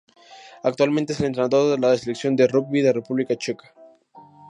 Actualmente es el entrenador de la Selección de rugby de República Checa.